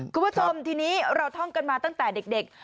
คุณผู้ชมทีนี้เราท่องกันมาตั้งแต่เด็ก